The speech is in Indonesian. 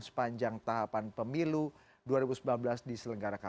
sepanjang tahapan pemilu dua ribu sembilan belas di selenggarakan